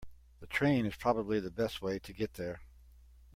The train is probably the best way to get there.